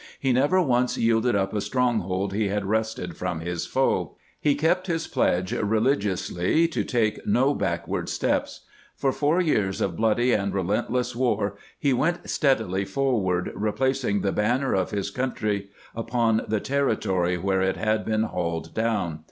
He never once yielded up a stronghold he had wrested from his foe. He kept his pledge religiously to " take no backward steps." For four years of bloody and re lentless war he went steadUy forward, replacing the banner of his country upon the territory where it had been hauled down.